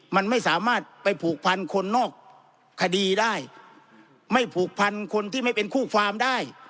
มันไม่สามารถไปผูกพันคนนอกคดีได้ไม่ผูกพันคนที่ไม่เป็นคู่ความได้